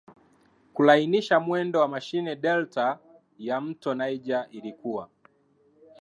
kulainisha mwendo wa mashine Delta ya mto Niger ilikuwa